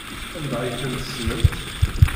Anda ay ten-tessnemt?